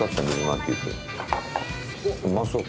うまそう。